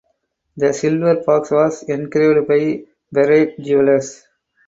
The silver box was engraved by Berat jewelers.